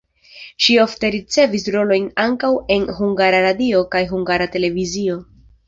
Ŝi ofte ricevis rolojn ankaŭ en Hungara Radio kaj Hungara Televizio.